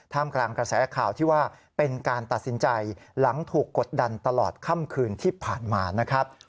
กลางกระแสข่าวที่ว่าเป็นการตัดสินใจหลังถูกกดดันตลอดค่ำคืนที่ผ่านมานะครับ